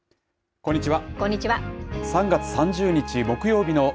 こんにちは。